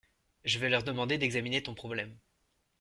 Je vais leur demander d’examiner ton problème.